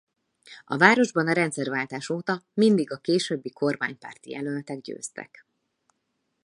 A városban a rendszerváltás óta mindig a későbbi kormánypárti jelöltek győztek.